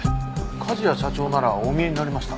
梶谷社長ならお見えになりました。